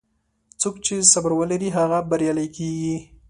څوک چې صبر ولري، هغه بریالی کېږي.